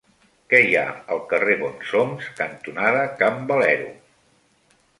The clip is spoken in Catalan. Què hi ha al carrer Bonsoms cantonada Can Valero?